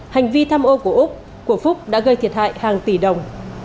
hành vi tham ô của phúc đã gây thiệt hại hàng tỷ đồng